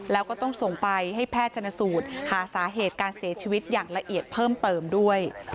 แล้วก็ต้องส่งไปให้แพทย์ชนสูตรหาสาเหตุการเสียชีวิตอย่างละเอียดเพิ่มเติมด้วย